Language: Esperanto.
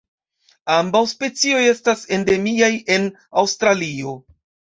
Ambaŭ specioj estas endemiaj en Aŭstralio.